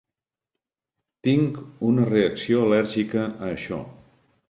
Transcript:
Tinc una reacció al·lèrgica a això.